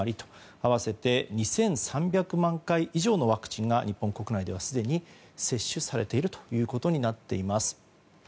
合わせて２３０万回以上のワクチンが日本国内ではすでに接種されているということになっています。